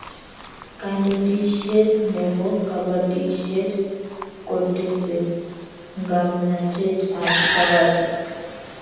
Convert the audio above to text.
kanetishiet nebo kabatishiet kotese ngamnatet ab kabatik